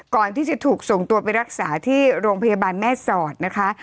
ก่อนที่จะถูกส่งตัวไปรักษาที่โรงพยาบาลแม่สอดนะคะ